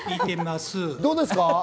どうですか？